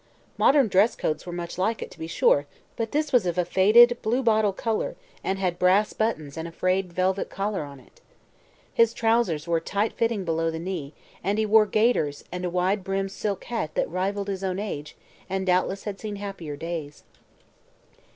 Modern "dress coats" were much like it, to be sure, but this was of a faded blue bottle color and had brass buttons and a frayed velvet collar on it. His trousers were tight fitting below the knee and he wore gaiters and a wide brimmed silk hat that rivaled his own age and had doubtless seen happier days.